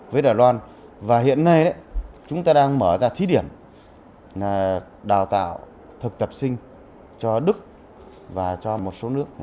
với đài loan và hiện nay chúng ta đang mở ra thí điểm đào tạo thực tập sinh cho đức và cho một số nước